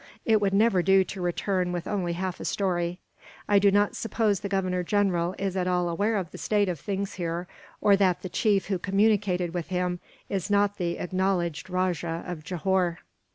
It would never do to return with only half a story. I do not suppose the Governor General is at all aware of the state of things here, or that the chief who communicated with him is not the acknowledged Rajah of Johore.